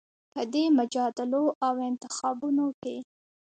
په دې مجادلو او انتخابونو کې